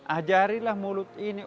ajarilah mulut ini